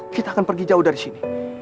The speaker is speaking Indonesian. kita akan pergi jauh dari sini